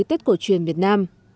tết cổ truyền việt nam